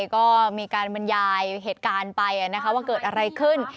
ก็มีการบรรยายเหตุการณ์ไปว่าเกิดอะไรขึ้น